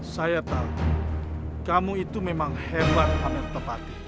saya tahu kamu itu memang hebat amerta pati